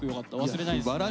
忘れないですね。